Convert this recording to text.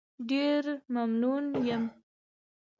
ډېر ممنون یم.